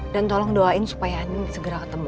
dan tolong doain supaya andin segera ketemu